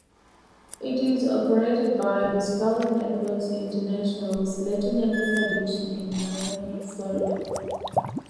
It is operated by Discovery Networks International's Latin America division in Miami, Florida.